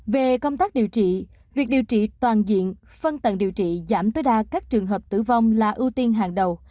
về công tác điều trị việc điều trị toàn diện phân tầng điều trị giảm tối đa các trường hợp tử vong là ưu tiên hàng đầu